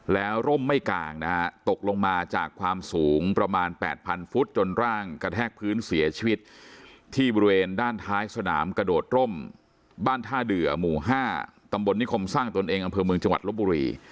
แล้วร่มไม่กลางนะฮะตกลงมาจากความสูงประมาณ๘๐๐ฟุตจนร่างกระแทกพื้นเสียชีวิตที่บริเวณด้านท้ายสนามกระโดดร่มบ้านท่าเดือหมู่๕ตำบลนิคมสร้างตนเองอำเภอเมืองจังหวัดลบบุรี